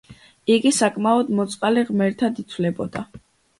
იგი საკმაოდ მოწყალე ღმერთად ითვლებოდა.